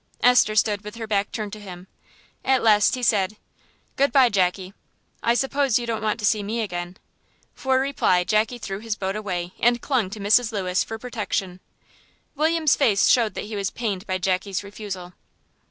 Esther stood with her back turned to him. At last he said "Good bye, Jackie. I suppose you don't want to see me again?" For reply Jackie threw his boat away and clung to Mrs. Lewis for protection. William's face showed that he was pained by Jackie's refusal.